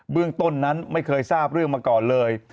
เรื่องต้นนั้นไม่เคยทราบเรื่องมาก่อนเลย